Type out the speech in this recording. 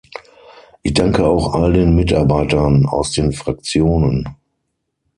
Ich danke auch all den Mitarbeitern aus den Fraktionen.